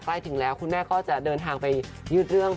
ใกล้ถึงแล้วคุณแม่ก็จะเดินทางไปยืดเรื่อง